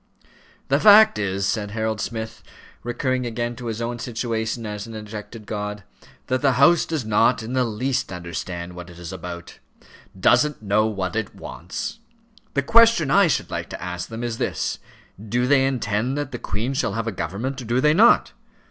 "The fact is," said Harold Smith, recurring again to his own situation as an ejected god, "that the House does not in the least understand what it is about; doesn't know what it wants. The question I should like to ask them is this: do they intend that the Queen shall have a government, or do they not?